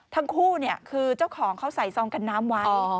ทั้งคู่คือเจ้าของเขาใส่ซองกันน้ำไว้